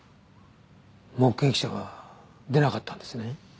目撃者は出なかったんですね。